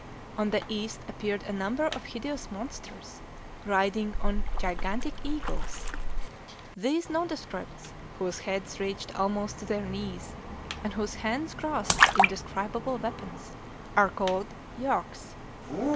On the east appeared a number of hideous monsters, riding on gigantic eagles. These nondescripts, whose heads reached almost to their knees, and whose hands grasped indescribable weapons, are called Yâks.